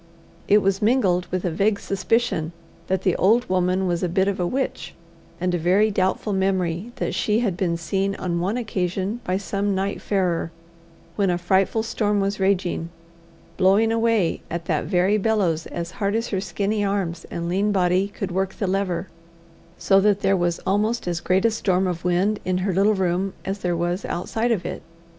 It was mingled with a vague suspicion that the old woman was a bit of a witch, and a very doubtful memory that she had been seen on one occasion by some night farer, when a frightful storm was raging, blowing away at that very bellows as hard as her skinny arms and lean body could work the lever, so that there was almost as great a storm of wind in her little room as there was outside of it.